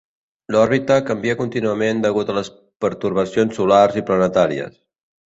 L'òrbita canvia contínuament degut a les pertorbacions solars i planetàries.